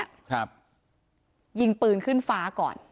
ยิงปืนขึ้นฟ้าก่อน